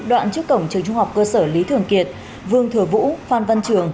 đoạn trước cổng trường trung học cơ sở lý thường kiệt vương thừa vũ phan văn trường